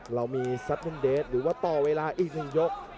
เรามีซัตเมื่อเดชหรือว่าต่อเวลาอีกหนึ่งยก